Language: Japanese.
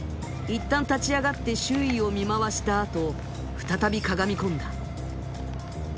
一旦立ち上がって周囲を見回したあと再びかがみこんだ